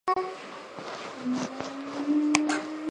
Generally, only Ranger and Airborne qualified personnel are accepted.